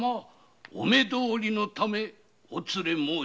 お目通りのためお連れ致しました。